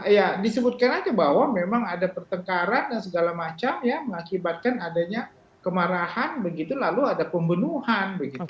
ya disebutkan aja bahwa memang ada pertengkaran dan segala macam ya mengakibatkan adanya kemarahan begitu lalu ada pembunuhan